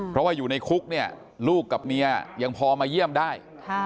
เพราะว่าอยู่ในคุกเนี่ยลูกกับเมียยังพอมาเยี่ยมได้